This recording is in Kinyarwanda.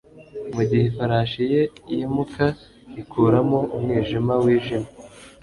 mugihe ifarashi ye yimuka, ikuramo umwijima wijimye